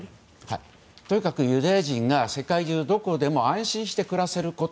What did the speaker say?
とにかくユダヤ人が世界中どこでも安心して暮らせること。